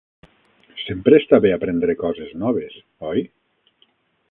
Sempre està bé aprendre coses noves, oi?